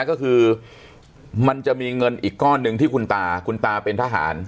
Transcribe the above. ก็คือมันจะมีเงินอีกก้อนหนึ่งที่คุณตาคุณตาเป็นทหาร